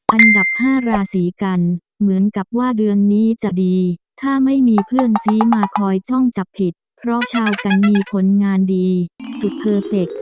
อันดับ๕ราศีกันเหมือนกับว่าเดือนนี้จะดีถ้าไม่มีเพื่อนซีมาคอยจ้องจับผิดเพราะชาวกันมีผลงานดีสุดเพอร์เฟค